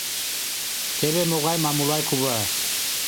Теве могай Мамулай кува.